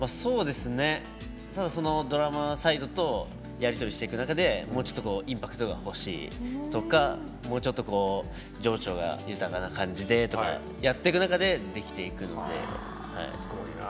ただ、ドラマサイドとやり取りしていく中でインパクトがほしいとかもうちょっと情緒が豊かな感じでとかやっていく中でできていくので。